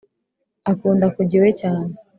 akunda kujya iwe cyane